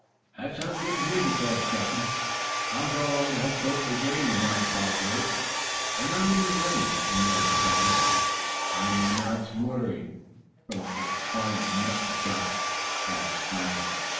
"That sounds good to me," declared Step Hen. "I'll go along to help tote your game," remarked Bob White. "And I'm in the ring," remarked Step Hen. "Why, my mouth's just watering for some prime mutton chops." Thad smiled.